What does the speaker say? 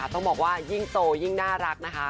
ต้องบอกว่ายิ่งโตยิ่งน่ารักนะคะ